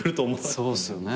そうですよね。